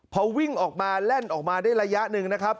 พอวิ่งออกมาแล่นออกมาได้ระยะหนึ่งนะครับ